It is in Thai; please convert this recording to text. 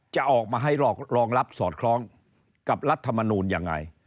จะออกมาให้รองรับสอดคล้องกับรัฐมนูลยังไง